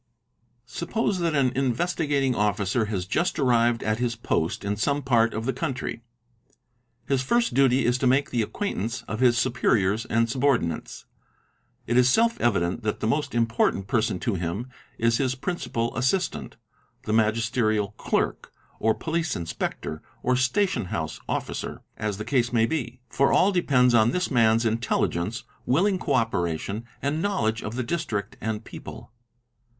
ORIENTATION 35 Suppose that an Investigating Officer has just arrived at his post j in some part of the country. His first duty is to make the acquaintance _ of his superiors and subordinates. It is self evident that the most im _ portant person to him is his principle assistant—the magisterial clerk, or police inspector, or station house officer, as the case may be—for E all depends on this man's intelligence, willing co operation, and knowledge of the district and people.